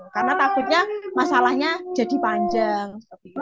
karena takutnya masalahnya jadi panjang